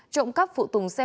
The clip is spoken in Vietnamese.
trộm cắp phụ tùng xe máy